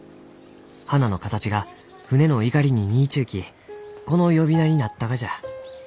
花の形が船のいかりに似いちゅうきこの呼び名になったがじゃ。